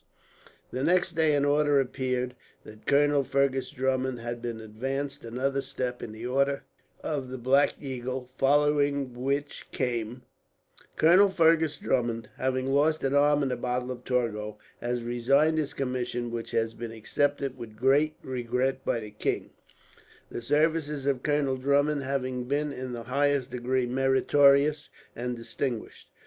The next day an order appeared, that Colonel Fergus Drummond had been advanced another step in the order of the Black Eagle, following which came: "Colonel Fergus Drummond, having lost an arm at the battle of Torgau, has resigned his commission; which has been accepted with great regret by the king, the services of Colonel Drummond having been, in the highest degree, meritorious and distinguished."